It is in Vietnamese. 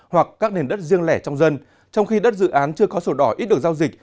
hoặc các nền đất riêng lẻ trong dân trong khi đất dự án chưa có sổ đỏ ít được giao dịch